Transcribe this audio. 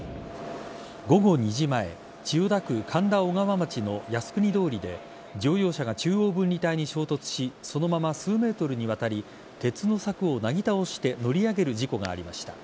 午後２時前千代田区神田小川町の靖国通りで乗用車が中央分離帯に衝突しそのまま数ｍにわたり鉄の柵をなぎ倒して乗り上げる事故がありました。